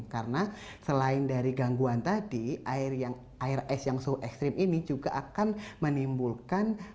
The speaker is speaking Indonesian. karena selain dari gangguan tadi air es yang suhu ekstrim ini juga akan menimbulkan